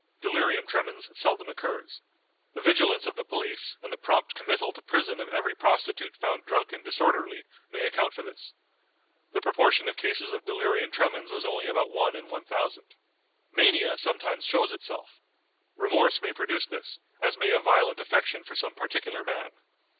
Delirium tremens seldom occurs. The vigilance of the police, and the prompt committal to prison of every prostitute found drunk and disorderly, may account for this. The proportion of cases of delirium tremens was only about one in one thousand. Mania sometimes shows itself. Remorse may produce this, as may a violent affection for some particular man.